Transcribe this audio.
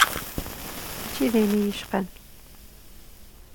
Mačči d ayen i y-icqan.